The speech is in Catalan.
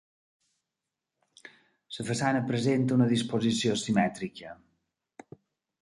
La façana presenta una disposició simètrica.